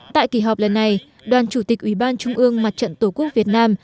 tại kỳ họp lần này đoàn chủ tịch ủy ban trung ương mặt trận tổ quốc việt nam